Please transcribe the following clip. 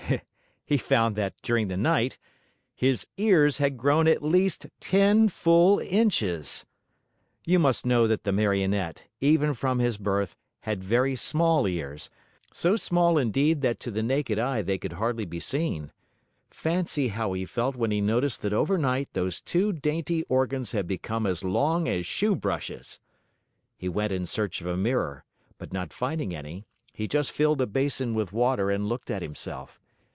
He found that, during the night, his ears had grown at least ten full inches! You must know that the Marionette, even from his birth, had very small ears, so small indeed that to the naked eye they could hardly be seen. Fancy how he felt when he noticed that overnight those two dainty organs had become as long as shoe brushes! He went in search of a mirror, but not finding any, he just filled a basin with water and looked at himself.